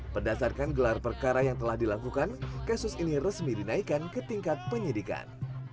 berdasarkan gelar perkara yang telah dilakukan kasus ini resmi dinaikkan ke tingkat penyidikan